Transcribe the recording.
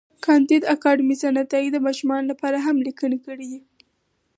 کانديد اکاډميسن عطایي د ماشومانو لپاره هم لیکني کړي دي.